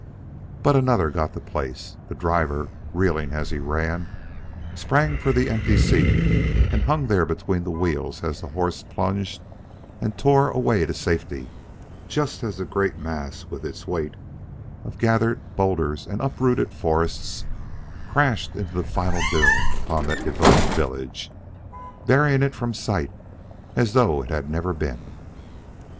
But another got the place. The driver, reeling as he ran, sprang for the empty seat and hung there between the wheels as the horses plunged and tore away to safety just as the great mass with its weight of gathered boulders and uprooted forests crashed in final doom upon that devoted village, burying it from sight as though it had never been.